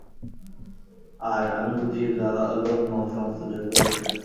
আর, আমি বুঝি লোভ মোহ সমস্ত জয় করে বসে আছি?